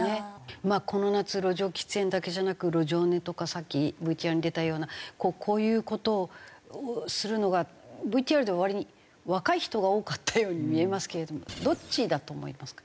まあこの夏路上喫煙だけじゃなく路上寝とかさっきＶＴＲに出たようなこういう事をするのがＶＴＲでは割に若い人が多かったように見えますけれどもどっちだと思いますか？